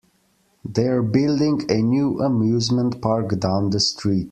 They're building a new amusement park down the street.